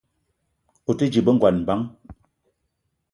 O te dje be ngon bang ?